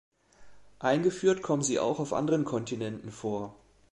Eingeführt kommen sie auch auf anderen Kontinenten vor.